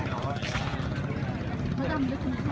นู้ใส่พิมพ์สีขาว